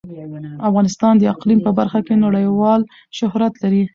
افغانستان د اقلیم په برخه کې نړیوال شهرت لري.